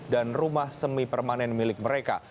dan rumah semi permanen milik mereka